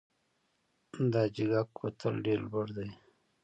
د حاجي ګک کوتل ډیر لوړ دی